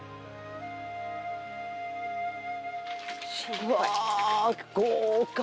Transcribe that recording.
うわ豪華。